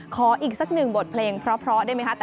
อีกสักหนึ่งบทเพลงเพราะได้ไหมคะ